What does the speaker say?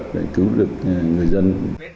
để cứu được người dân